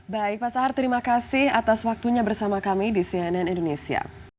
baik pak sahar terima kasih atas waktunya bersama kami di cnn indonesia